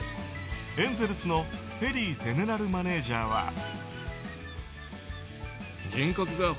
エンゼルスのペリーゼネラルマネジャーは。